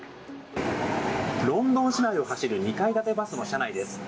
ロンドン市内を走る２階建てバスの車内です。